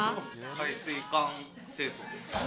排水管清掃です。